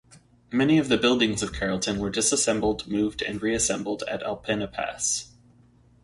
Many of the buildings of Carrollton were disassembled, moved and reassembled at Alpena Pass.